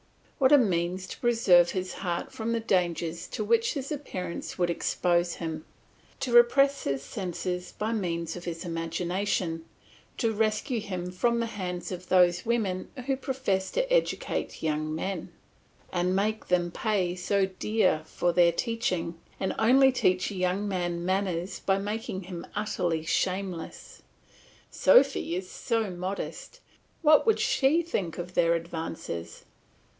What a means to preserve his heart from the dangers to which his appearance would expose him, to repress his senses by means of his imagination, to rescue him from the hands of those women who profess to educate young men, and make them pay so dear for their teaching, and only teach a young man manners by making him utterly shameless. Sophy is so modest? What would she think of their advances!